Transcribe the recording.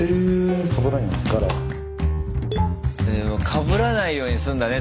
かぶらないようにするんだね